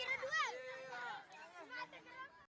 sampai jumpa di video selanjutnya